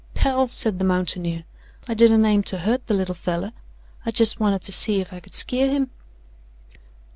"Hell," said the mountaineer, "I didn't aim to hurt the little feller. I jes' wanted to see if I could skeer him."